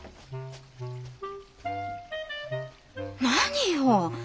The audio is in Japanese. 何よ！